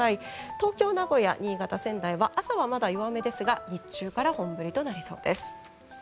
東京、名古屋、新潟、仙台は朝は弱めですが日中から本降りとなりそうです。